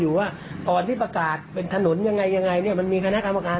อยู่ว่าตอนที่ประกาศเป็นถนนยังไงยังไงเนี่ยมันมีคณะกรรมการ